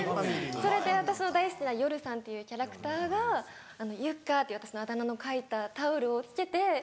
それで私の大好きなヨルさんっていうキャラクターが「ゆっかー」っていう私のあだ名の書いたタオルをつけて。